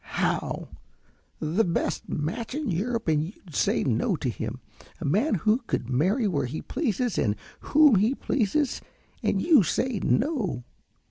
"How! The best match in Europe and you say 'no' to him a man who could marry where he pleases and whom he pleased and you say 'no.'